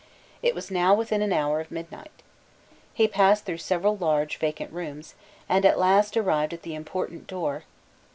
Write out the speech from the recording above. It was now within an hour of midnight. He passed through several large vacant rooms, and at last arrived at the important door.